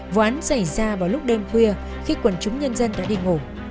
vụ án xảy ra vào lúc đêm khuya khi quần chúng nhân dân đã đi ngủ